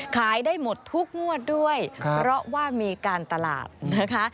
ขายได้หมดทุกงวดด้วยเพราะว่ามีการตลาดนะคะ